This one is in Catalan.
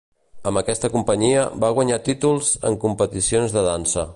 Amb aquesta companyia va guanyar títols en competicions de dansa.